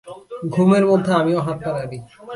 ঘুমের মধ্যে আমিও হাত-পা নাড়ি।